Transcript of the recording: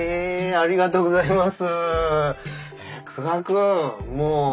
ありがとうございます。